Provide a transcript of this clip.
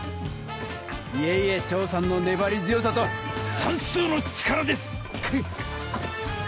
いえいえチョウさんのねばり強さとさんすうの力です！